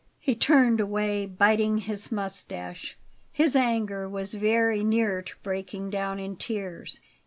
He turned away, biting his moustache. His anger was very near to breaking down in tears.